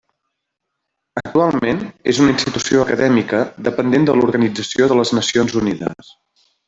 Actualment és una institució acadèmica dependent de l'Organització de les Nacions Unides.